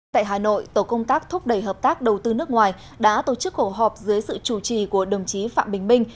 tại hà nội tổ công tác thúc đẩy hợp tác đầu tư nước ngoài đã tổ chức cuộc họp dưới sự chủ trì của đồng chí phạm bình minh